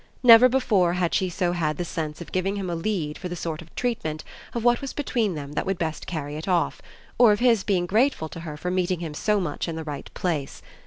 Never before had she had so the sense of giving him a lead for the sort of treatment of what was between them that would best carry it off, or of his being grateful to her for meeting him so much in the right place.